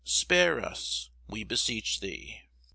Spare us, we beseech thee.